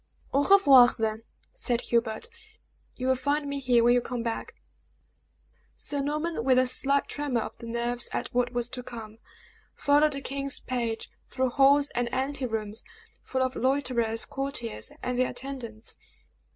"Au revoir, then," said Hubert. "You will find me here when you come back." Sir Norman, with a slight tremor of the nerves at what was to come, followed the king's page through halls and anterooms, full of loiterers, courtiers, and their attendants.